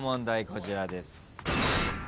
こちらです。